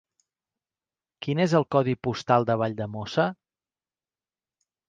Quin és el codi postal de Valldemossa?